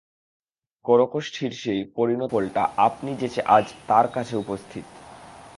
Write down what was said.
করকোষ্ঠির সেই পরিণত ফলটা আপনি যেচে আজ তার কাছে উপস্থিত।